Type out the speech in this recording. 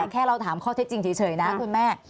แค่เราถามข้อเท็จจริงเฉยนะคุณแม่